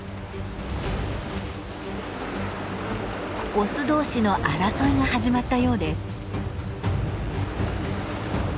オス同士の争いが始まったようです。